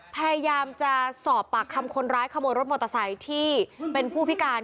พยายามจะสอบปากคำคนร้ายขโมยรถมอเตอร์ไซค์ที่เป็นผู้พิการ